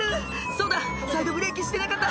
「そうだサイドブレーキしてなかった」